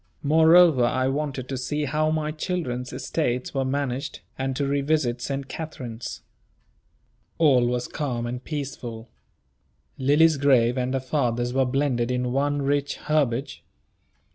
Moreover, I wanted to see how my children's estates were managed, and to revisit St. Katharine's. All was calm and peaceful. Lily's grave and her father's were blended in one rich herbage.